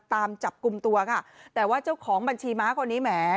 ตามจับกลุ่มตัวค่ะแต่ว่าเจ้าของบัญชีม้าคนนี้แหม